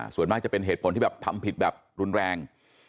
ส่วนมากจะเป็นเหตุผลที่แบบทำผิดแบบรุนแรง